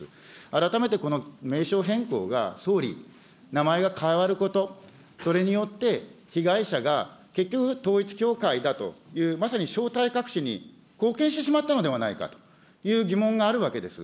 改めてこの名称変更が総理、名前が変わること、それによって被害者が結局統一教会だという、まさに正体隠しに貢献してしまったのではないかという疑問があるわけです。